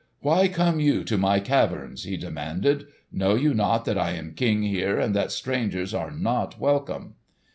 "Why come you to my caverns?" he demanded. "Know you not that I am king here, and that strangers are not welcome?"